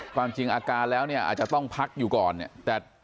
ความจริงอาการแล้วเนี่ยอาจจะต้องพักอยู่ก่อนเนี่ย